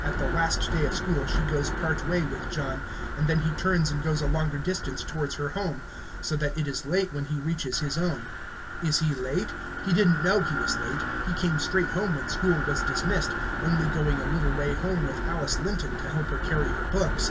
At the last day of school she goes part way with John, and then he turns and goes a longer distance towards her home, so that it is late when he reaches his own. Is he late? He did n't know he was late; he came straight home when school was dismissed, only going a little way home with Alice Linton to help her carry her books.